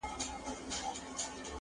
آس هم د ننګ وي هم د جنګ وي -